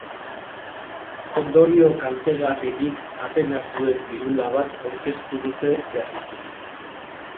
Ondorio kaltegarririk apenas duen pilula bat aurkeztu dute berriki.